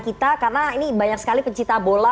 kita karena ini banyak sekali pencipta bola